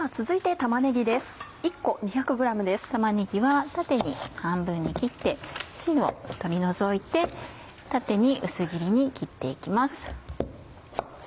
玉ねぎは縦に半分に切ってしんを取り除いて縦に薄切りに切って行きます。